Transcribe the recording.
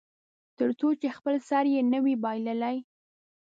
تر څو چې خپل سر یې نه وي بایللی.